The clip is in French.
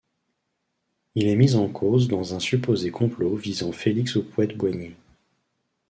Il est mis en cause dans un supposé complot visant Félix Houphouët-Boigny.